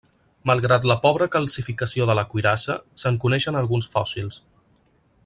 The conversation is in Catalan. Malgrat la pobra calcificació de la cuirassa, se'n coneixen alguns fòssils.